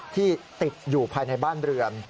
ที่ติดอยู่ภายในบ้านเรือน